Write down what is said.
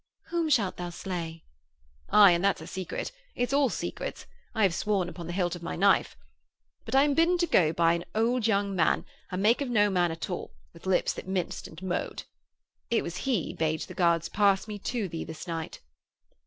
'Whom shalt thou slay?' 'Aye, and that's a secret. It's all secrets. I have sworn upon the hilt of my knife. But I am bidden to go by an old young man, a make of no man at all, with lips that minced and mowed. It was he bade the guards pass me to thee this night.'